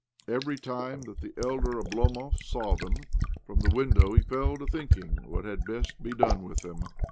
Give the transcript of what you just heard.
Every time that the elder Oblomov saw them from the window he fell to thinking what had best be done with them.